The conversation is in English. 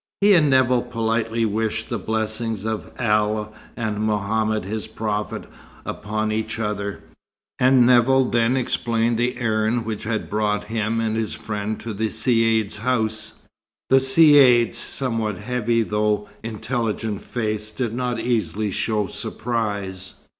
He and Nevill politely wished the blessings of Allah and Mohammed his Prophet upon each other, and Nevill then explained the errand which had brought him and his friend to the Caïd's house. The Caïd's somewhat heavy though intelligent face did not easily show surprise.